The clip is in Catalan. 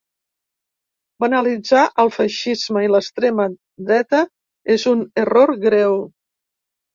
Banalitzar el feixisme i l’extrema dreta és un error greu.